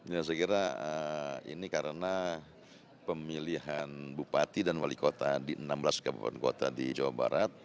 ya saya kira ini karena pemilihan bupati dan wali kota di enam belas kabupaten kota di jawa barat